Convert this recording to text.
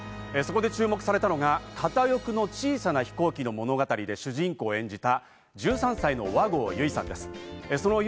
そこで注目されたのが「片翼の小さな飛行機の物語」で主人公を演じた１３歳の和合由依さんです。